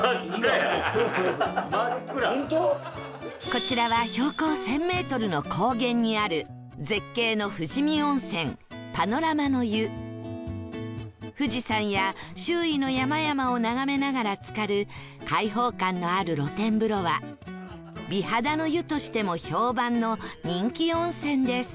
こちらは標高１０００メートルの高原にある富士山や周囲の山々を眺めながらつかる開放感のある露天風呂は美肌の湯としても評判の人気温泉です